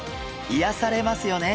いやされますよね。